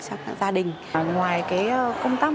cho các gia đình ngoài công tác